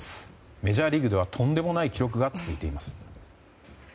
メジャーリーグではとんでもない記録が続いています。